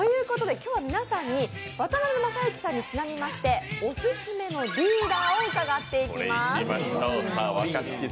今日は皆さんに渡辺正行さんにちなみましてオススメのリーダーを伺っていきます。